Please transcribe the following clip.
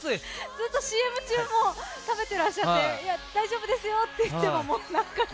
ずっとＣＭ中も食べてらっしゃって大丈夫ですよって言っても。